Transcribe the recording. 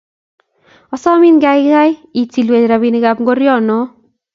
asomin gaigai itilwech robinikab ngoriono